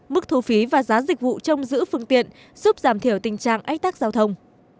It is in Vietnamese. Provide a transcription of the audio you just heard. mức thu phí và giá dịch vụ trong giữ phương tiện giúp giảm thiểu tình trạng ách tắc giao thông